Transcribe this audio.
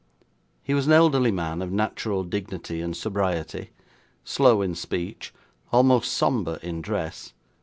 He was an elderly man of natural dignity and sobriety, slow in speech, almost sombre in dress.